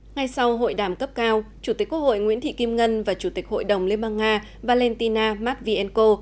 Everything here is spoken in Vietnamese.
ngay sau hội đàm cấp cao chủ tịch quốc hội nguyễn thị kim ngân và chủ tịch hội đồng liên bang nga valentina matvienko